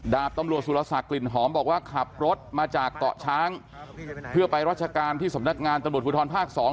ดาบตำรวจสุรสักกลิ่นหอมบอกว่าขับรถมาจากเกาะช้างเพื่อไปรัชการที่สำนักงานตำรวจภูทรภาคสอง